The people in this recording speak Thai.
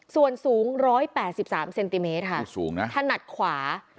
ส่วนสูง๑๘๓เซนติเมตรค่ะถนัดขวา